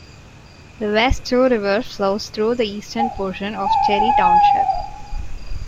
The West Two River flows through the eastern portion of Cherry Township.